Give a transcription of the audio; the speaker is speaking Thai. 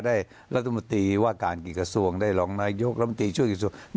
รัฐมนตรีว่าการกี่กระทรวงได้รองนายกรัฐมนตรีช่วยกระทรวง